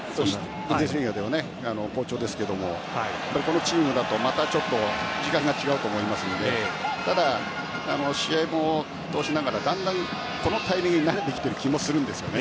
好調ですけど、このチームだと時間が違うと思いますので試合を通しながらだんだん、このタイミングに慣れてきている気もするんです。